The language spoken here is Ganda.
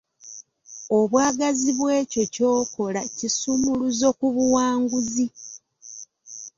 Obwagazi bwekyo ky'okola kisumuluzo ku buwanguzi.